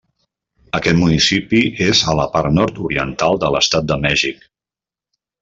Aquest municipi és a la part nord-oriental de l'estat de Mèxic.